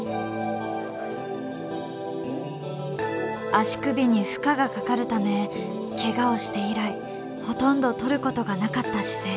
足首に負荷がかかるためケガをして以来ほとんどとることがなかった姿勢です。